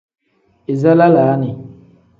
Iza lalaani.